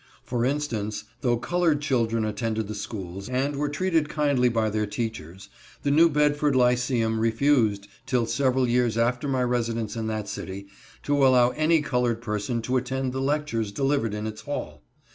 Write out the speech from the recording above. For instance, though colored children attended the schools, and were treated kindly by their teachers, the New Bedford Lyceum refused, till several years after my residence in that city, to allow any colored person to attend the lectures delivered in its hall.